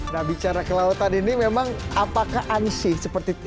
nah bicara kelautan ini memang apakah ansih seperti itu